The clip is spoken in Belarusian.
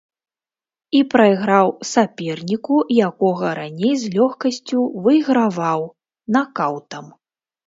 І прайграў саперніку, якога раней з лёгкасцю выйграваў, накаўтам.